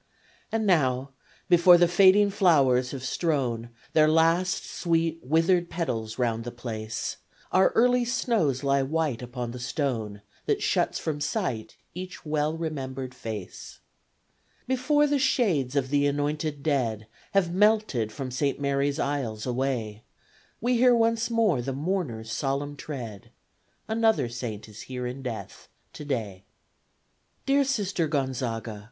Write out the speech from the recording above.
And now, before the fading flow'rs have strown Their last, sweet, withered petals round the place; Or early snows lie white upon the stone That shuts from sight each well remembered face Before the shades of the anointed Dead Have melted from Saint Mary's aisles away, We hear once more the mourner's solemn tread Another saint is here in death, to day! Dear Sister Gonzaga!